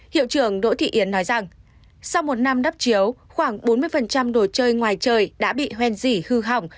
hiệu trưởng đỗ thị yến nói rằng sau một năm đắp chiếu khoảng bốn mươi đồ chơi ngoài trời đã bị hoen dỉ hư hỏng